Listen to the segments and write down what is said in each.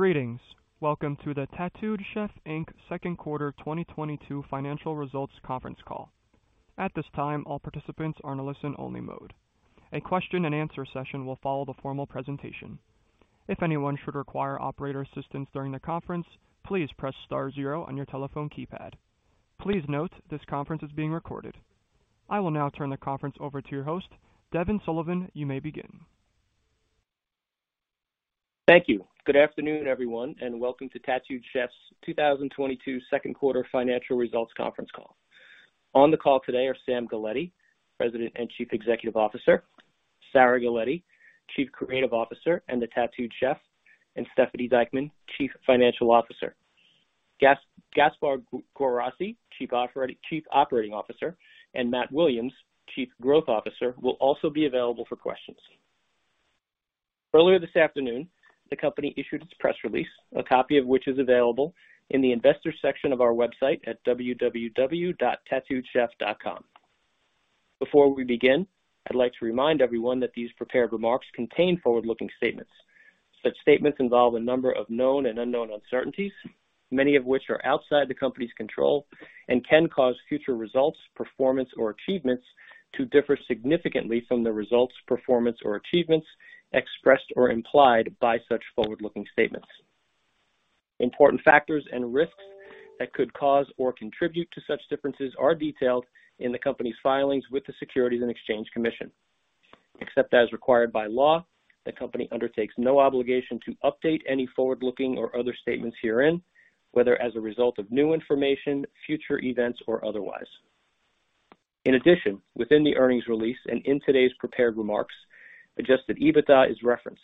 Greetings. Welcome to the Tattooed Chef Inc. second quarter 2022 financial results conference call. At this time, all participants are in a listen-only mode. A question and answer session will follow the formal presentation. If anyone should require operator assistance during the conference, please press star zero on your telephone keypad. Please note this conference is being recorded. I will now turn the conference over to your host, Devin Sullivan. You may begin. Thank you. Good afternoon, everyone, and welcome to Tattooed Chef's 2022 second quarter financial results conference call. On the call today are Sam Galletti, President and Chief Executive Officer, Sarah Galletti, Chief Creative Officer of Tattooed Chef, and Stephanie Dieckmann, Chief Financial Officer. Gasper Guarrasi, Chief Operating Officer, and Matt Williams, Chief Growth Officer, will also be available for questions. Earlier this afternoon, the company issued its press release, a copy of which is available in the investors section of our website at www.tattooedchef.com. Before we begin, I'd like to remind everyone that these prepared remarks contain forward-looking statements. Such statements involve a number of known and unknown uncertainties, many of which are outside the company's control and can cause future results, performance or achievements to differ significantly from the results, performance or achievements expressed or implied by such forward-looking statements. Important factors and risks that could cause or contribute to such differences are detailed in the company's filings with the Securities and Exchange Commission. Except as required by law, the company undertakes no obligation to update any forward-looking or other statements herein, whether as a result of new information, future events or otherwise. In addition, within the earnings release and in today's prepared remarks, adjusted EBITDA is referenced.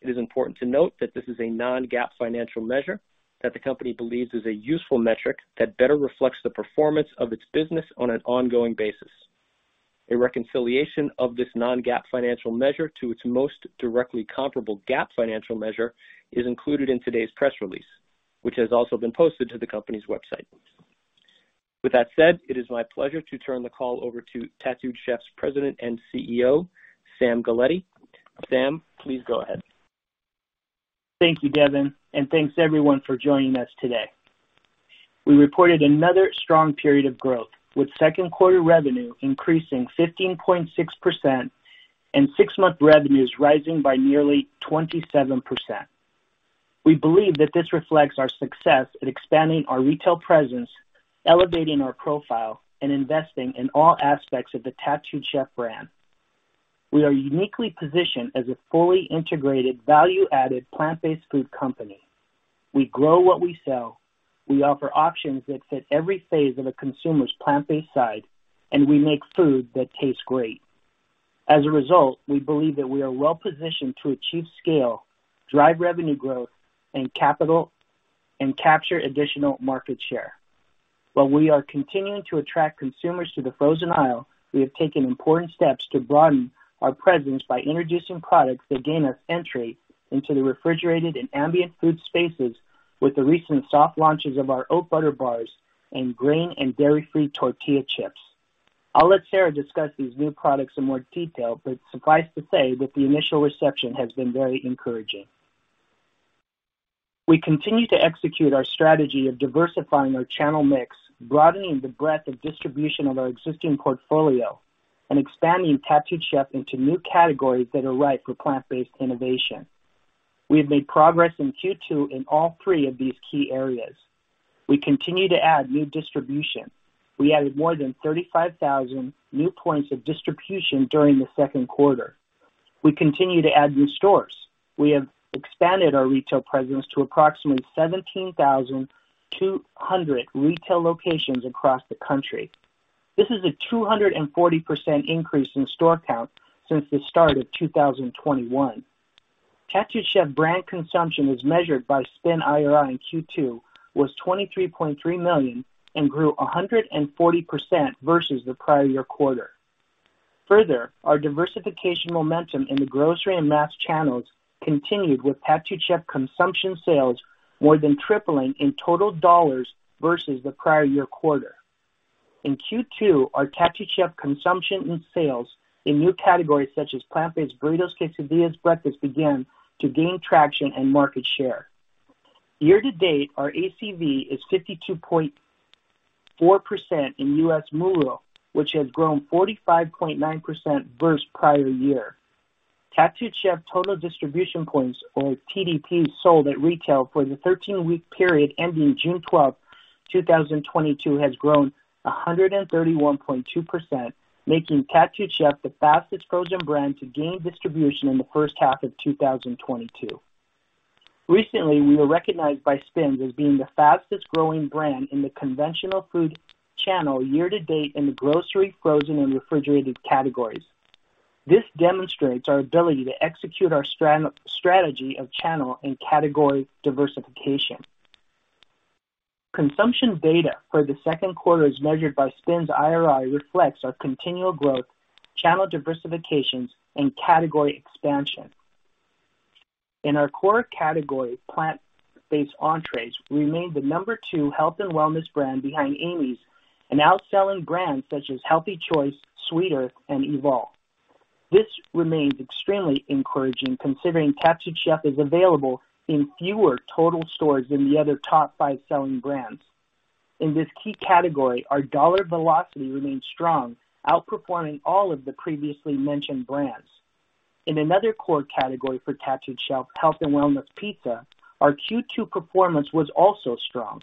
It is important to note that this is a non-GAAP financial measure that the company believes is a useful metric that better reflects the performance of its business on an ongoing basis. A reconciliation of this non-GAAP financial measure to its most directly comparable GAAP financial measure is included in today's press release, which has also been posted to the company's website. With that said, it is my pleasure to turn the call over to Tattooed Chef's President and CEO, Sam Galletti. Sam, please go ahead. Thank you, Devin, and thanks everyone for joining us today. We reported another strong period of growth, with second quarter revenue increasing 15.6% and six-month revenues rising by nearly 27%. We believe that this reflects our success in expanding our retail presence, elevating our profile, and investing in all aspects of the Tattooed Chef brand. We are uniquely positioned as a fully integrated, value-added, plant-based food company. We grow what we sell. We offer options that fit every phase of a consumer's plant-based side, and we make food that tastes great. As a result, we believe that we are well positioned to achieve scale, drive revenue growth, and capture additional market share. While we are continuing to attract consumers to the Frozen Aisle, we have taken important steps to broaden our presence by introducing products that gain us entry into the refrigerated and ambient food spaces with the recent soft launches of our Oat Butter Bars and Grain and Dairy-Free Tortilla Chips. I'll let Sarah discuss these new products in more detail, but suffice to say that the initial reception has been very encouraging. We continue to execute our strategy of diversifying our channel mix, broadening the breadth of distribution of our existing portfolio, and expanding Tattooed Chef into new categories that are right for plant-based innovation. We have made progress in Q2 in all three of these key areas. We continue to add new distribution. We added more than 35,000 new points of distribution during the second quarter. We continue to add new stores. We have expanded our retail presence to approximately 17,200 retail locations across the country. This is a 240% increase in store count since the start of 2021. Tattooed Chef brand consumption, as measured by SPINS and IRI in Q2, was $23.3 million and grew 140% versus the prior year quarter. Further, our diversification momentum in the grocery and mass channels continued with Tattooed Chef consumption sales more than tripling in total dollars versus the prior year quarter. In Q2, our Tattooed Chef consumption and sales in new categories such as plant-based burritos, quesadillas, breakfast began to gain traction and market share. Year to date, our ACV is 52.4% in US MULO, which has grown 45.9% versus prior year. Tattooed Chef total distribution points, or TDP, sold at retail for the 13-week period ending June 12, 2022, has grown 131.2%, making Tattooed Chef the fastest frozen brand to gain distribution in the first half of 2022. Recently, we were recognized by SPINS as being the fastest growing brand in the conventional food channel year to date in the grocery, frozen, and refrigerated categories. This demonstrates our ability to execute our strategy of channel and category diversification. Consumption data for the second quarter, as measured by SPINS and IRI, reflects our continual growth, channel diversifications, and category expansion. In our core category, plant-based entrees, we remain the number two health and wellness brand behind Amy's and outselling brands such as Healthy Choice, Sweet Earth, and Evol. This remains extremely encouraging considering Tattooed Chef is available in fewer total stores than the other top five selling brands. In this key category, our dollar velocity remains strong, outperforming all of the previously mentioned brands. In another core category for Tattooed Chef, health and wellness pizza, our Q2 performance was also strong.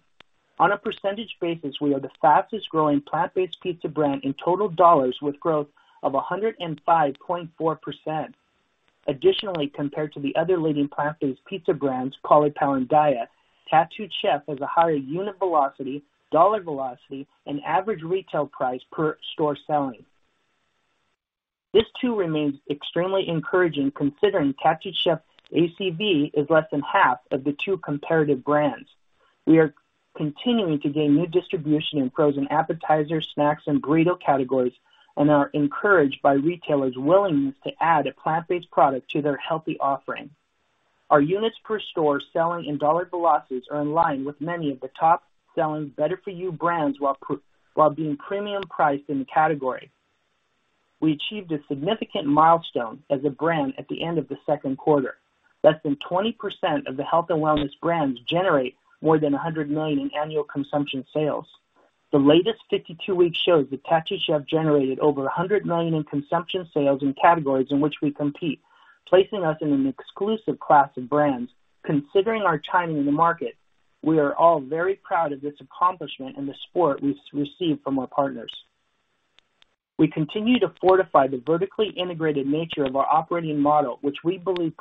On a percentage basis, we are the fastest growing plant-based pizza brand in total dollars with growth of 105.4%. Additionally, compared to the other leading plant-based pizza brands, Caulipower and Daiya, Tattooed Chef has a higher unit velocity, dollar velocity, and average retail price per store selling. This too remains extremely encouraging considering Tattooed Chef ACV is less than half of the two comparative brands. We are continuing to gain new distribution in frozen appetizers, snacks, and burrito categories, and are encouraged by retailers' willingness to add a plant-based product to their healthy offering. Our units per store selling and dollar velocities are in line with many of the top selling better-for-you brands while being premium priced in the category. We achieved a significant milestone as a brand at the end of the second quarter. Less than 20% of the health and wellness brands generate more than $100 million in annual consumption sales. The latest 52 weeks shows that Tattooed Chef generated over $100 million in consumption sales in categories in which we compete, placing us in an exclusive class of brands considering our timing in the market. We are all very proud of this accomplishment and the support we receive from our partners. We continue to fortify the vertically integrated nature of our operating model, which we believe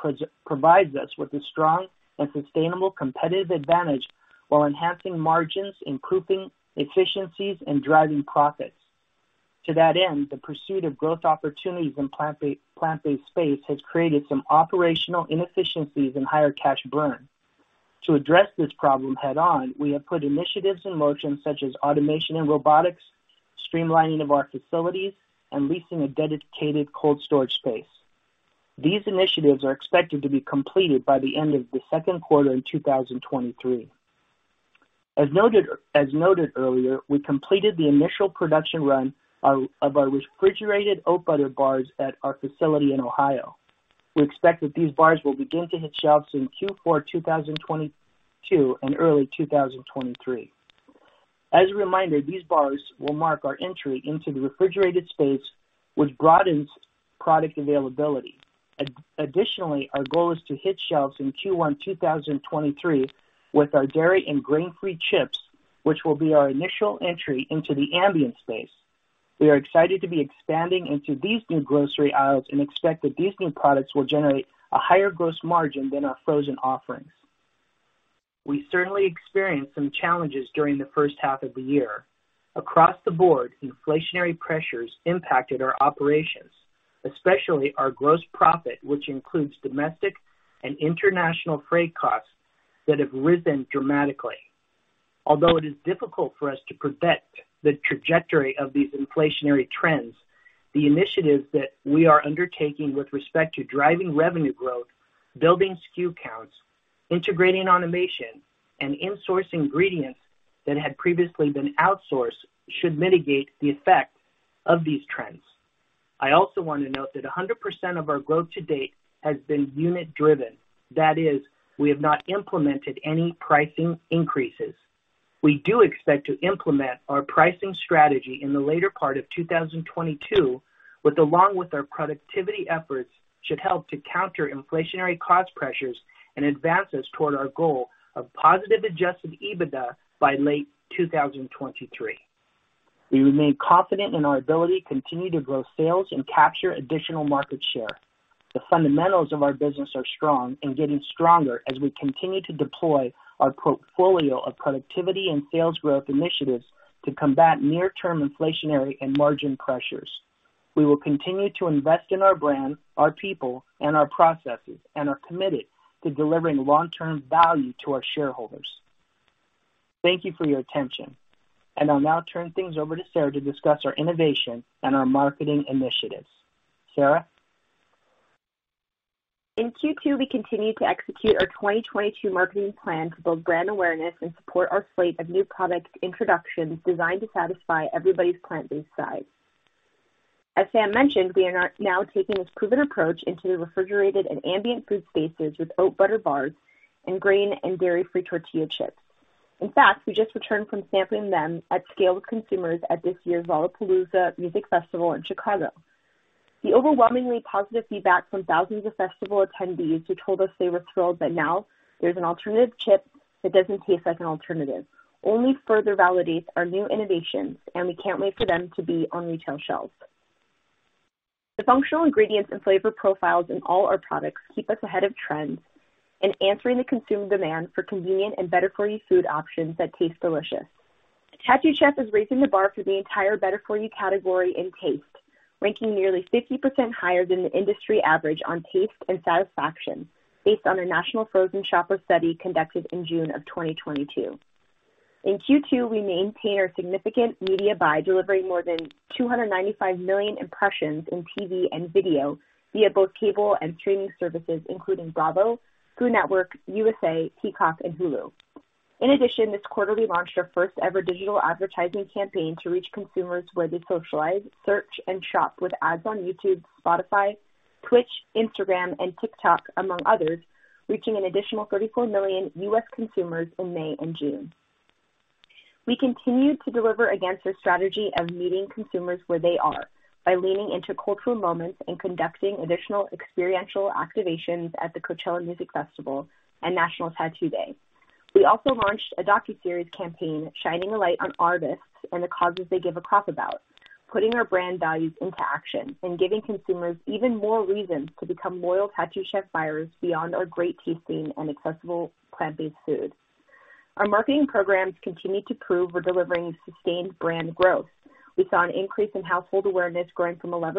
provides us with a strong and sustainable competitive advantage while enhancing margins, improving efficiencies, and driving profits. To that end, the pursuit of growth opportunities in plant-based space has created some operational inefficiencies and higher cash burn. To address this problem head on, we have put initiatives in motion such as automation and robotics, streamlining of our facilities, and leasing a dedicated cold storage space. These initiatives are expected to be completed by the end of the second quarter in 2023. As noted earlier, we completed the initial production run of our refrigerated Oat Butter Bars at our facility in Ohio. We expect that these bars will begin to hit shelves in Q4 2022 and early 2023. As a reminder, these bars will mark our entry into the refrigerated space, which broadens product availability. Additionally, our goal is to hit shelves in Q1 2023 with our dairy and grain-free chips, which will be our initial entry into the ambient space. We are excited to be expanding into these new grocery aisles and expect that these new products will generate a higher gross margin than our frozen offerings. We certainly experienced some challenges during the first half of the year. Across the board, inflationary pressures impacted our operations, especially our gross profit, which includes domestic and international freight costs that have risen dramatically. Although it is difficult for us to predict the trajectory of these inflationary trends, the initiatives that we are undertaking with respect to driving revenue growth, building SKU counts, integrating automation, and insourcing ingredients that had previously been outsourced should mitigate the effect of these trends. I also want to note that 100% of our growth to date has been unit driven. That is, we have not implemented any pricing increases. We do expect to implement our pricing strategy in the later part of 2022, which along with our productivity efforts, should help to counter inflationary cost pressures and advance us toward our goal of positive adjusted EBITDA by late 2023. We remain confident in our ability to continue to grow sales and capture additional market share. The fundamentals of our business are strong and getting stronger as we continue to deploy our portfolio of productivity and sales growth initiatives to combat near-term inflationary and margin pressures. We will continue to invest in our brand, our people, and our processes, and are committed to delivering long-term value to our shareholders. Thank you for your attention. I'll now turn things over to Sarah to discuss our innovation and our marketing initiatives. Sarah? In Q2, we continued to execute our 2022 marketing plan to build brand awareness and support our slate of new product introductions designed to satisfy everybody's plant-based side. As Sam mentioned, we are now taking this proven approach into the refrigerated and ambient food spaces with Oat Butter Bars and Grain-Free Tortilla Chips. In fact, we just returned from sampling them at scale with consumers at this year's Lollapalooza Music Festival in Chicago. The overwhelmingly positive feedback from thousands of festival attendees who told us they were thrilled that now there's an alternative chip that doesn't taste like an alternative only further validates our new innovations, and we can't wait for them to be on retail shelves. The functional ingredients and flavor profiles in all our products keep us ahead of trends in answering the consumer demand for convenient and better for you food options that taste delicious. Tattooed Chef is raising the bar for the entire better for you category in taste, ranking nearly 50% higher than the industry average on taste and satisfaction based on a national frozen shopper study conducted in June 2022. In Q2, we maintained our significant media buy, delivering more than 295 million impressions in TV and video via both cable and streaming services, including Bravo, Food Network, USA, Peacock, and Hulu. In addition, this quarter, we launched our first ever digital advertising campaign to reach consumers where they socialize, search, and shop with ads on YouTube, Spotify, Twitch, Instagram, and TikTok, among others, reaching an additional 34 million U.S. consumers in May and June. We continued to deliver against our strategy of meeting consumers where they are by leaning into cultural moments and conducting additional experiential activations at the Coachella Music Festival and National Tattoo Day. We also launched a docuseries campaign shining a light on artists and the causes they give a crap about, putting our brand values into action and giving consumers even more reasons to become loyal Tattooed Chef buyers beyond our great tasting and accessible plant-based food. Our marketing programs continue to prove we're delivering sustained brand growth. We saw an increase in household awareness growing from 11%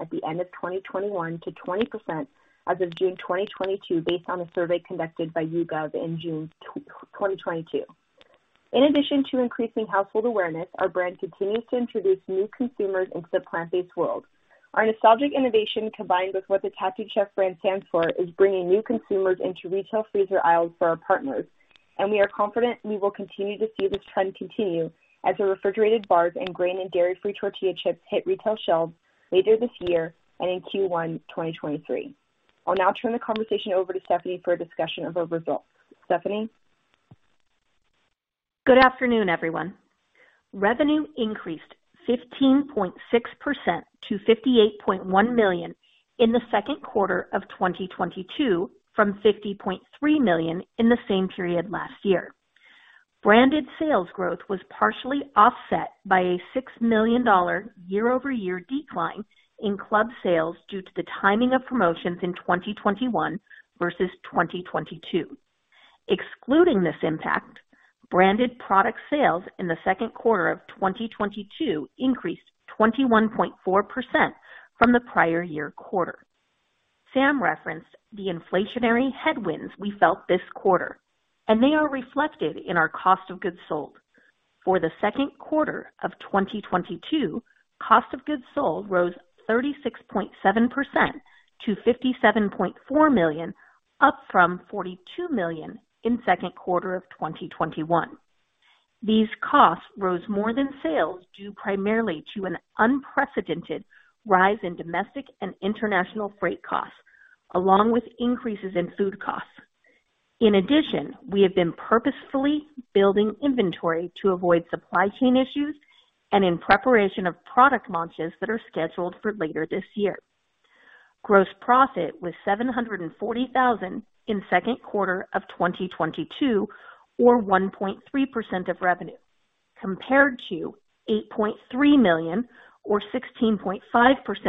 at the end of 2021 to 20% as of June 2022, based on a survey conducted by YouGov in June 2022. In addition to increasing household awareness, our brand continues to introduce new consumers into the plant-based world. Our nostalgic innovation, combined with what the Tattooed Chef brand stands for, is bringing new consumers into retail freezer aisles for our partners, and we are confident we will continue to see this trend continue as the refrigerated bars and grain- and dairy-free Tortilla Chips hit retail shelves later this year and in Q1 2023. I'll now turn the conversation over to Stephanie for a discussion of our results. Stephanie? Good afternoon, everyone. Revenue increased 15.6% to $58.1 million in the second quarter of 2022 from $50.3 million in the same period last year. Branded sales growth was partially offset by a $6 million year-over-year decline in club sales due to the timing of promotions in 2021 versus 2022. Excluding this impact, branded product sales in the second quarter of 2022 increased 21.4% from the prior year quarter. Sam referenced the inflationary headwinds we felt this quarter, and they are reflected in our cost of goods sold. For the second quarter of 2022, cost of goods sold rose 36.7% to $57.4 million, up from $42 million in second quarter of 2021. These costs rose more than sales, due primarily to an unprecedented rise in domestic and international freight costs, along with increases in food costs. In addition, we have been purposefully building inventory to avoid supply chain issues and in preparation of product launches that are scheduled for later this year. Gross profit was $740,000 in second quarter of 2022, or 1.3% of revenue, compared to $8.3 million or 16.5%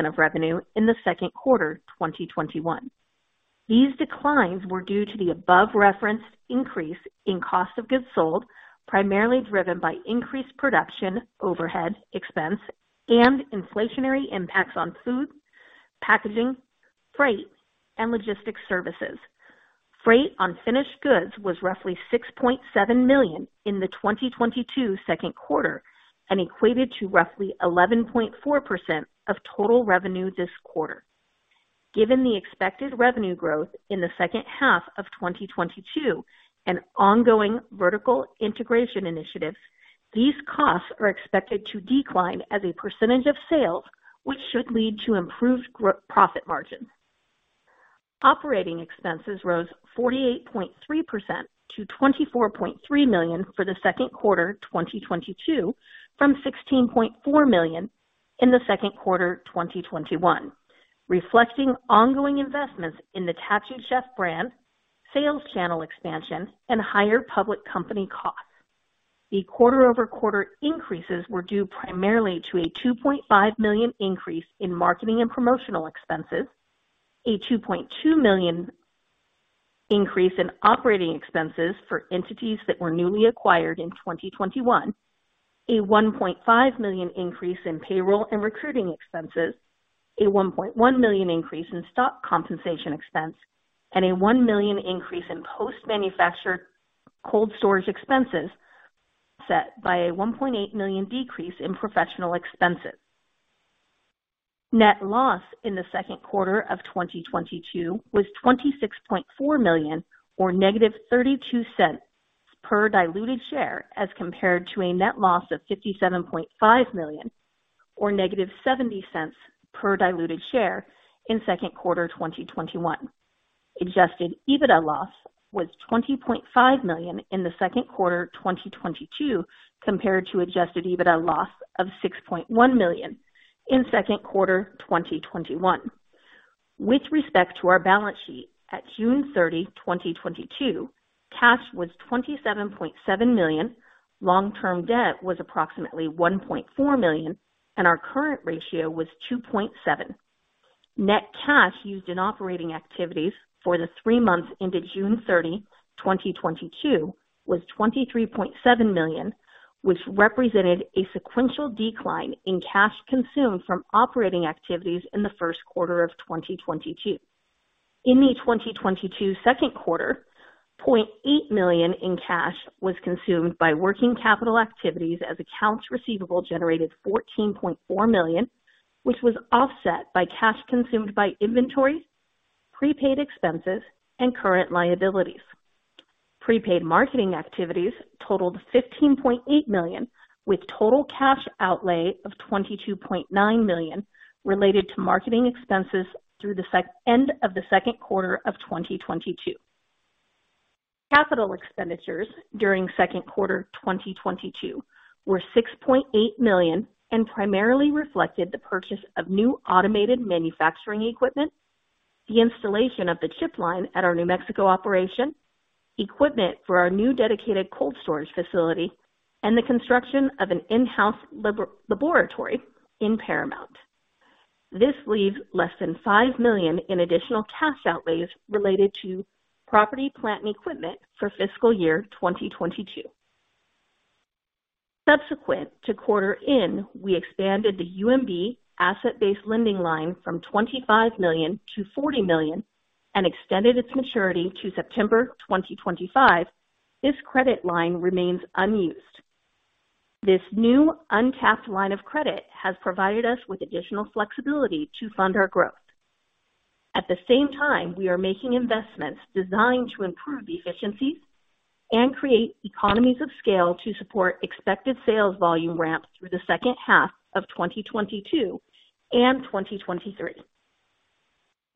of revenue in the second quarter 2021. These declines were due to the above-referenced increase in cost of goods sold, primarily driven by increased production, overhead expense, and inflationary impacts on food, packaging, freight, and logistics services. Freight on finished goods was roughly $6.7 million in the 2022 second quarter and equated to roughly 11.4% of total revenue this quarter. Given the expected revenue growth in the second half of 2022 and ongoing vertical integration initiatives, these costs are expected to decline as a percentage of sales, which should lead to improved profit margin. Operating expenses rose 48.3% to $24.3 million for the second quarter 2022 from $16.4 million in the second quarter 2021, reflecting ongoing investments in the Tattooed Chef brand, sales channel expansion, and higher public company costs. The quarter-over-quarter increases were due primarily to a $2.5 million increase in marketing and promotional expenses, a $2.2 million increase in operating expenses for entities that were newly acquired in 2021, a $1.5 million increase in payroll and recruiting expenses, a $1.1 million increase in stock compensation expense, and a $1 million increase in post-manufacture cold storage expenses, offset by a $1.8 million decrease in professional expenses. Net loss in the second quarter of 2022 was $26.4 million or -0.32 per diluted share, as compared to a net loss of $57.5 million or -0.70 per diluted share in second quarter 2021. Adjusted EBITDA loss was $20.5 million in the second quarter 2022, compared to adjusted EBITDA loss of $6.1 million in second quarter 2021. With respect to our balance sheet, at June 30, 2022, cash was $27.7 million, long-term debt was approximately $1.4 million, and our current ratio was 2.7%.Net cash used in operating activities for the three months ended June 30, 2022 was $23.7 million, which represented a sequential decline in cash consumed from operating activities in the first quarter of 2022. In the 2022 second quarter, $0.8 million in cash was consumed by working capital activities as accounts receivable generated $14.4 million, which was offset by cash consumed by inventory, prepaid expenses and current liabilities. Prepaid marketing activities totaled $15.8 million, with total cash outlay of $22.9 million related to marketing expenses through the end of the second quarter of 2022. Capital expenditures during second quarter 2022 were $6.8 million and primarily reflected the purchase of new automated manufacturing equipment, the installation of the chip line at our New Mexico operation, equipment for our new dedicated cold storage facility, and the construction of an in-house laboratory in Paramount. This leaves less than $5 million in additional cash outlays related to property, plant, and equipment for fiscal year 2022. Subsequent to quarter end, we expanded the UMB asset-based lending line from $25 million to 40 million and extended its maturity to September 2025. This credit line remains unused. This new uncapped line of credit has provided us with additional flexibility to fund our growth. At the same time, we are making investments designed to improve efficiencies and create economies of scale to support expected sales volume ramps through the second half of 2022 and 2023.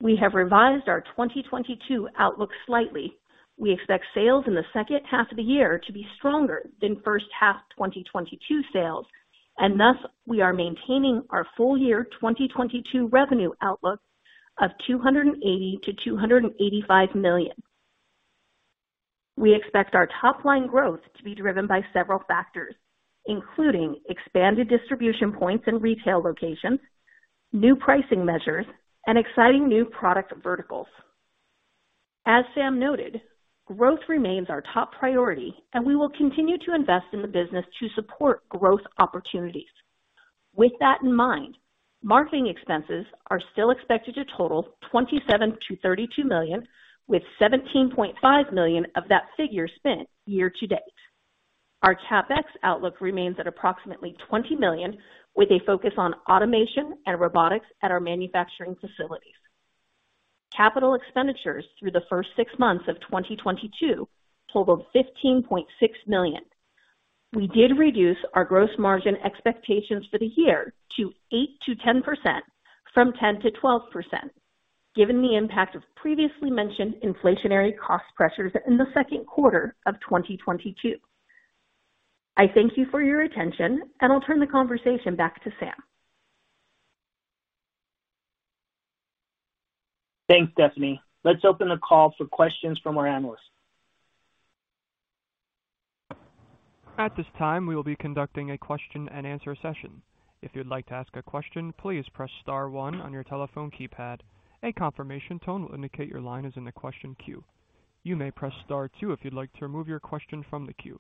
We have revised our 2022 outlook slightly. We expect sales in the second half of the year to be stronger than first half 2022 sales, and thus we are maintaining our full year 2022 revenue outlook of $280 million-285 million. We expect our top line growth to be driven by several factors, including expanded distribution points and retail locations, new pricing measures, and exciting new product verticals. As Sam noted, growth remains our top priority, and we will continue to invest in the business to support growth opportunities. With that in mind, marketing expenses are still expected to total $27 million-32 million, with $17.5 million of that figure spent year to date. Our CapEx outlook remains at approximately $20 million, with a focus on automation and robotics at our manufacturing facilities. Capital expenditures through the first six months of 2022 totaled $15.6 million. We did reduce our gross margin expectations for the year to 8%-10% from 10%-12%, given the impact of previously mentioned inflationary cost pressures in the second quarter of 2022. I thank you for your attention, and I'll turn the conversation back to Sam. Thanks, Stephanie. Let's open the call for questions from our Analysts. At this time, we will be conducting a question and answer session. If you'd like to ask a question, please press star one on your telephone keypad. A confirmation tone will indicate your line is in the question queue. You may press star two if you'd like to remove your question from the queue.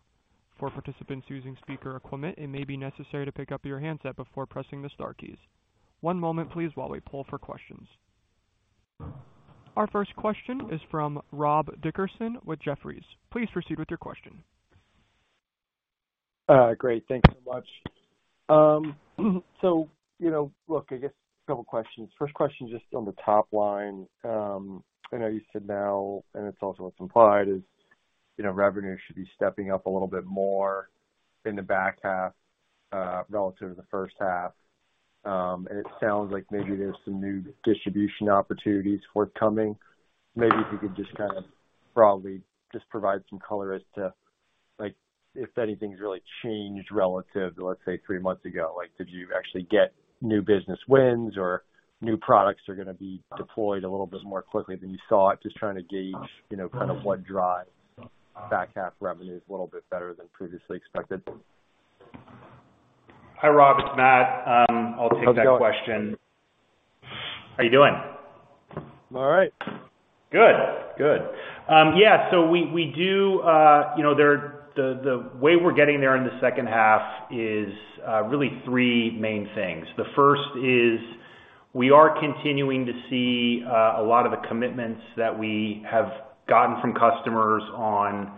For participants using speaker equipment, it may be necessary to pick up your handset before pressing the star keys. One moment please while we poll for questions. Our first question is from Rob Dickerson with Jefferies. Please proceed with your question. Great. Thank you so much. You know, look, I guess a couple questions. First question, just on the top line. I know you said now, and it's also what's implied is, you know, revenue should be stepping up a little bit more in the back half, relative to the first half. It sounds like maybe there's some new distribution opportunities forthcoming. Maybe if you could just kind of broadly just provide some color as to, like, if anything's really changed relative to, let's say, three months ago. Like, did you actually get new business wins or new products that are gonna be deployed a little bit more quickly than you saw it? Just trying to gauge, you know, kind of what drives back half revenues a little bit better than previously expected. Hi, Rob. It's Matt. I'll take that question. How are you doing? I'm all right. Good. Good. Yeah. We do, you know, the way we're getting there in the second half is really three main things. The first is we are continuing to see a lot of the commitments that we have gotten from customers on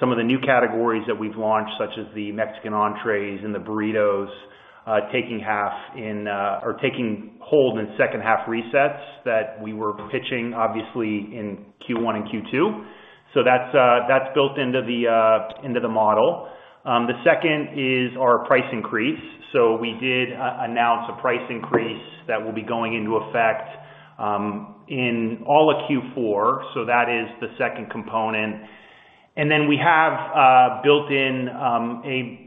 some of the new categories that we've launched, such as the Mexican entrees and the burritos, taking hold in second half resets that we were pitching obviously in Q1 and Q2. That's built into the model. The second is our price increase. We did announce a price increase that will be going into effect in all of Q4. That is the second component. We have built in a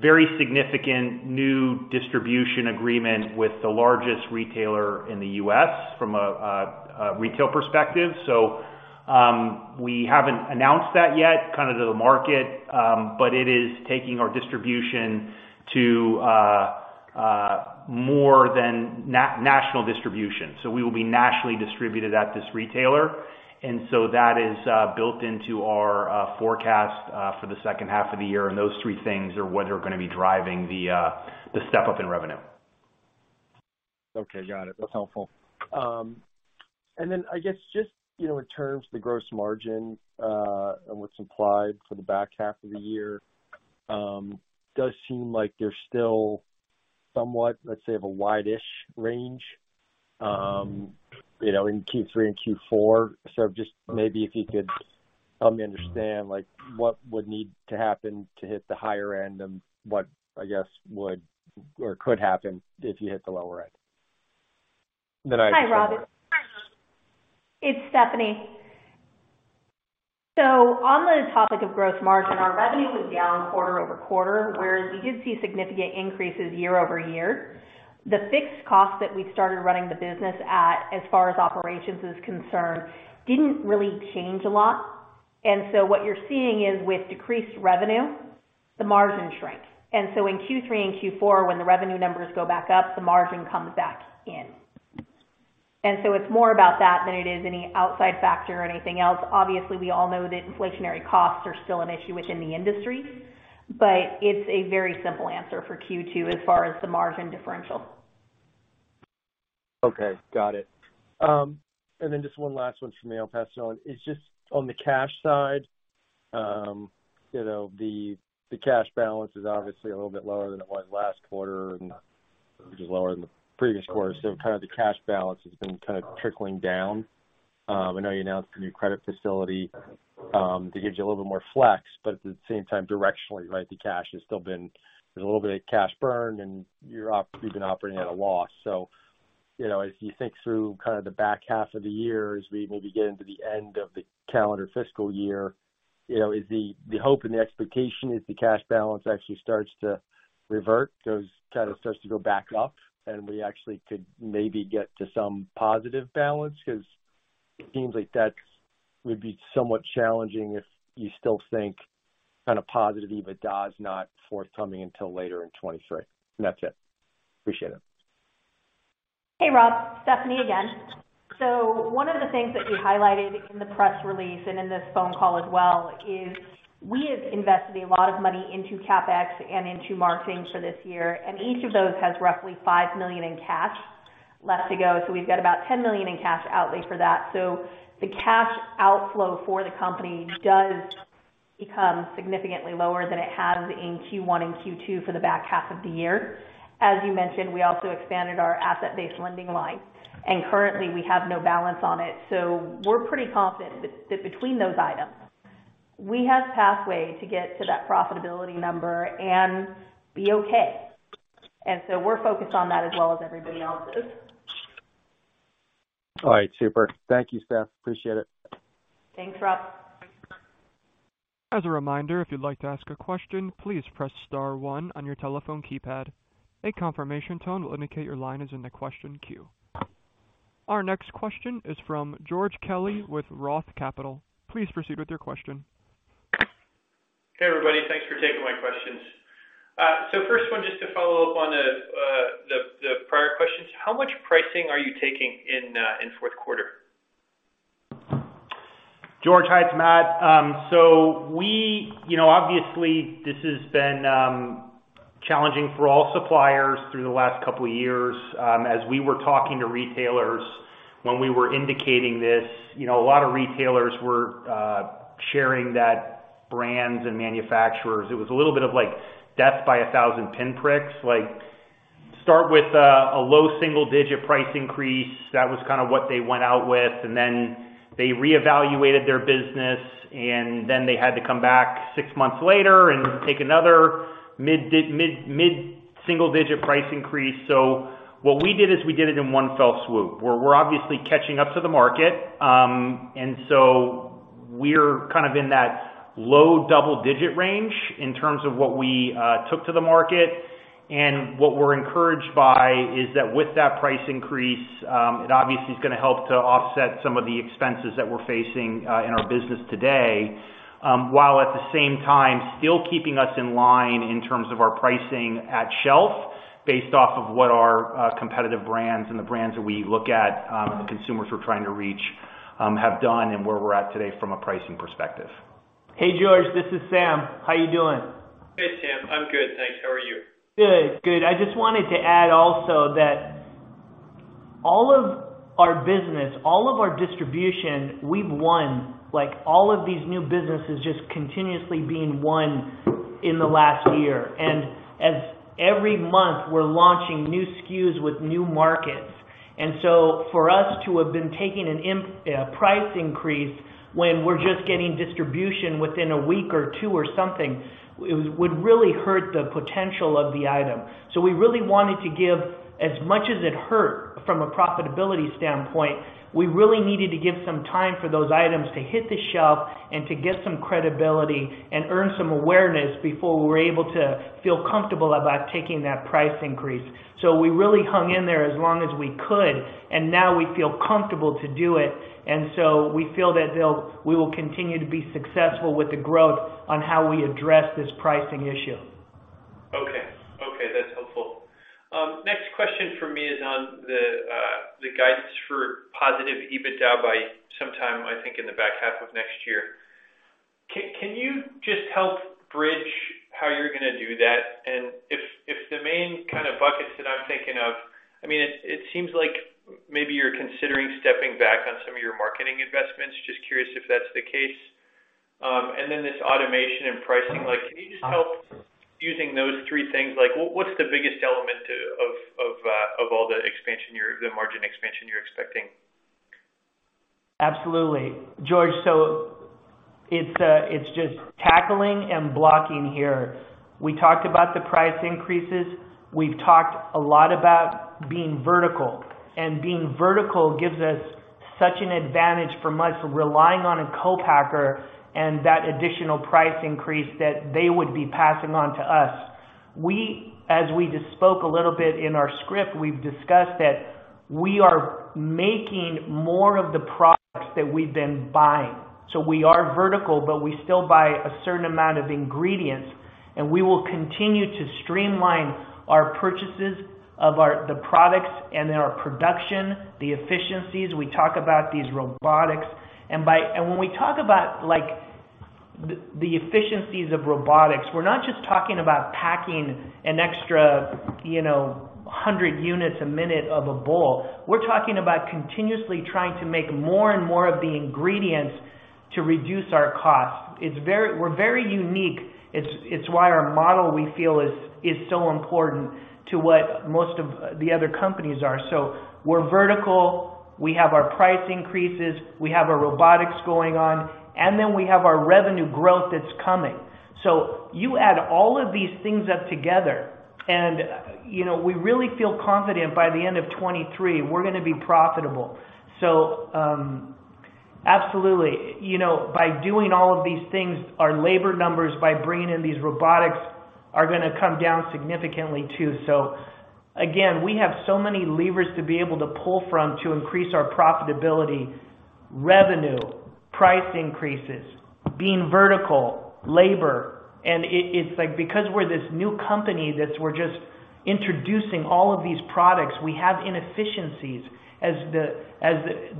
very significant new distribution agreement with the largest retailer in the U.S. from a retail perspective. We haven't announced that yet kind of to the market, but it is taking our distribution to more than national distribution. We will be nationally distributed at this retailer. That is built into our forecast for the second half of the year. Those three things are what are gonna be driving the step-up in revenue. Okay. Got it. That's helpful. And then I guess just, you know, in terms of the gross margin, and what's implied for the back half of the year, does seem like there's somewhat, let's say, of a wide-ish range, you know, in Q3 and Q4. Just maybe if you could help me understand, like what would need to happen to hit the higher end and what I guess would or could happen if you hit the lower end. Hi, Rob. It's Stephanie. On the topic of gross margin, our revenue was down quarter-over-quarter, whereas we did see significant increases year-over-year. The fixed cost that we started running the business at, as far as operations is concerned, didn't really change a lot. What you're seeing is with decreased revenue, the margin shrank. In Q3 and Q4 when the revenue numbers go back up, the margin comes back in. It's more about that than it is any outside factor or anything else. Obviously, we all know that inflationary costs are still an issue within the industry, but it's a very simple answer for Q2 as far as the margin differential. Okay, got it. Then just one last one for me, I'll pass it on. It's just on the cash side. You know, the cash balance is obviously a little bit lower than it was last quarter and which is lower than the previous quarter. The cash balance has been kind of trickling down. I know you announced a new credit facility that gives you a little bit more flex, but at the same time directionally, right? The cash has still been. There's a little bit of cash burn and you've been operating at a loss. You know, as you think through kind of the back half of the year, as we maybe get into the end of the calendar fiscal year, you know, is the hope and the expectation is the cash balance actually starts to revert kind of starts to go back up and we actually could maybe get to some positive balance because it seems like that would be somewhat challenging if you still think kind of positive, but does not forthcoming until later in 2023. That's it. Appreciate it. Hey, Rob. Stephanie again. One of the things that we highlighted in the press release and in this phone call as well is we have invested a lot of money into CapEx and into marketing for this year, and each of those has roughly $5 million in cash left to go. We've got about $10 million in cash outlay for that. The cash outflow for the company does become significantly lower than it has in Q1 and Q2 for the back half of the year. As you mentioned, we also expanded our asset-based lending line and currently we have no balance on it. We're pretty confident that between those items we have pathway to get to that profitability number and be okay. We're focused on that as well as everybody else is. All right. Super. Thank you Steph. Appreciate it. Thanks, Rob. As a reminder, if you'd like to ask a question, please press star one on your telephone keypad. A confirmation tone will indicate your line is in the question queue. Our next question is from George Kelly with ROTH Capital Partners. Please proceed with your question. Hey, everybody. Thanks for taking my questions. First one, just to follow up on the prior questions. How much pricing are you taking in fourth quarter? George, hi, it's Matt. We, you know, obviously this has been challenging for all suppliers through the last couple of years. As we were talking to retailers when we were indicating this, you know, a lot of retailers were sharing that brands and manufacturers, it was a little bit of like death by a thousand pinpricks. Like start with a low single digit price increase. That was kind of what they went out with. They reevaluated their business, and then they had to come back six months later and take another mid single digit price increase. What we did is we did it in one fell swoop. We're obviously catching up to the market. We're kind of in that low double digit range in terms of what we took to the market. What we're encouraged by is that with that price increase, it obviously is gonna help to offset some of the expenses that we're facing in our business today. While at the same time still keeping us in line in terms of our pricing at shelf based off of what our competitive brands and the brands that we look at and the consumers we're trying to reach have done and where we're at today from a pricing perspective. Hey, George, this is Sam. How you doing? Hey, Sam. I'm good, thanks. How are you? Good. Good. I just wanted to add also that all of our business, all of our distribution, we've won, like all of these new businesses just continuously being won in the last year. Every month we're launching new SKUs with new markets. For us to have been taking a price increase when we're just getting distribution within a week or two or something, it would really hurt the potential of the item. We really wanted to give, as much as it hurt from a profitability standpoint, we really needed to give some time for those items to hit the shelf and to get some credibility and earn some awareness before we were able to feel comfortable about taking that price increase. We really hung in there as long as we could and now we feel comfortable to do it. We feel that we will continue to be successful with the growth on how we address this pricing issue. Okay, that's helpful. Next question for me is on the guidance for positive EBITDA by sometime, I think, in the back half of next year. Can you just help bridge how you're gonna do that? If the main kind of buckets that I'm thinking of, I mean, it seems like maybe you're considering stepping back on some of your marketing investments. Just curious if that's the case. Then this automation and pricing, like, can you just help using those three things, like what's the biggest element of all the expansion, the margin expansion you're expecting? Absolutely. George, so it's just tackling and blocking here. We talked about the price increases. We've talked a lot about being vertical. Being vertical gives us such an advantage from us relying on a co-packer and that additional price increase that they would be passing on to us. As we just spoke a little bit in our script, we've discussed that we are making more of the products that we've been buying. We are vertical, but we still buy a certain amount of ingredients, and we will continue to streamline our purchases of the products and then our production, the efficiencies. We talk about these robotics. When we talk about, like, the efficiencies of robotics, we're not just talking about packing an extra, you know, 100 units a minute of a bowl. We're talking about continuously trying to make more and more of the ingredients to reduce our costs. We're very unique. It's why our model, we feel, is so important to what most of the other companies are. We're vertical. We have our price increases, we have our robotics going on, and then we have our revenue growth that's coming. You add all of these things up together and, you know, we really feel confident by the end of 2023, we're gonna be profitable. Absolutely. You know, by doing all of these things, our labor numbers by bringing in these robotics are gonna come down significantly, too. Again, we have so many levers to be able to pull from to increase our profitability, revenue, price increases, being vertical, labor. It’s like because we’re this new company that we’re just introducing all of these products, we have inefficiencies.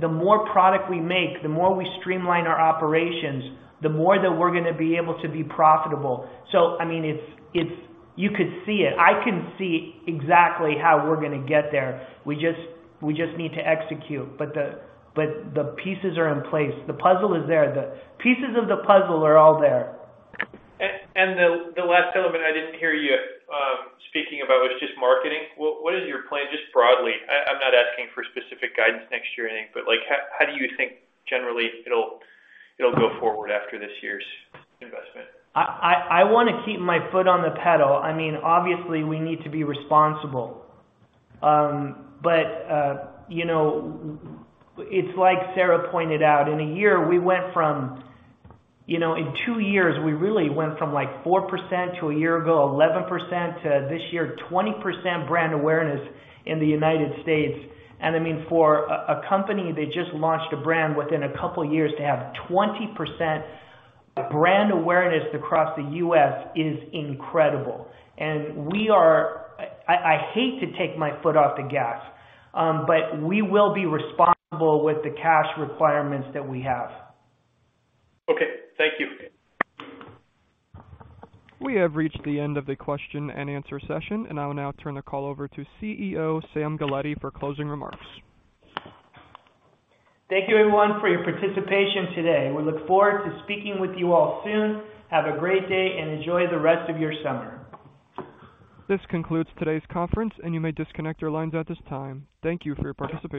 The more product we make, the more we streamline our operations, the more that we’re gonna be able to be profitable. I mean, it’s. You could see it. I can see exactly how we’re gonna get there. We just need to execute. The pieces are in place. The puzzle is there. The pieces of the puzzle are all there. The last element I didn't hear you speaking about was just marketing. What is your plan just broadly? I'm not asking for specific guidance next year or anything, but like how do you think generally it'll go forward after this year's investment? I wanna keep my foot on the pedal. I mean, obviously we need to be responsible. You know, it's like Sarah pointed out, in a year, we went from, you know, in two years we really went from like 4% to a year ago, 11% to this year, 20% brand awareness in the United States. I mean, for a company that just launched a brand within a couple years to have 20% brand awareness across the U.S. is incredible. We are. I hate to take my foot off the gas, but we will be responsible with the cash requirements that we have. Okay. Thank you. We have reached the end of the question and answer session, and I will now turn the call over to CEO Sam Galletti for closing remarks. Thank you everyone for your participation today. We look forward to speaking with you all soon. Have a great day and enjoy the rest of your summer. This concludes today's conference and you may disconnect your lines at this time. Thank you for your participation.